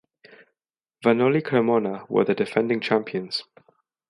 Vanoli Cremona were the defending champions.